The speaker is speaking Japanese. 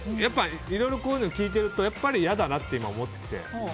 いろいろこういうの聞いてるとやっぱり嫌だなと思ってきて。